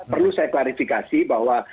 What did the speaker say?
perlu saya klarifikasi bahwa